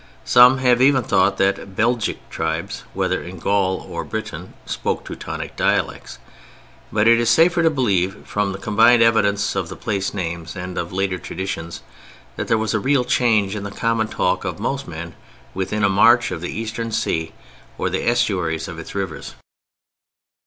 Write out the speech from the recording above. Some have even thought that "Belgic" tribes, whether in Gaul or Britain, spoke Teutonic dialects; but it is safer to believe from the combined evidence of place names and of later traditions, that there was a real change in the common talk of most men within a march of the eastern sea or the estuaries of its rivers.